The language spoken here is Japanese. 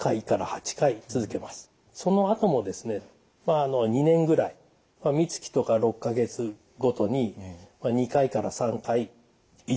そのあともですね２年ぐらいみつきとか６か月ごとに２回から３回維持療法していく。